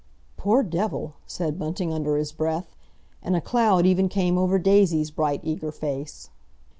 "Poor devil!" said Bunting under his breath, and a cloud even came over Daisy's bright eager face.